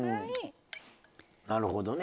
なるほどね。